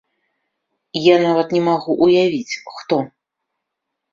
Я нават не магу ўявіць, хто.